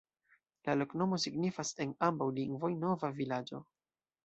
La loknomo signifas en ambaŭ lingvoj: nova vilaĝo.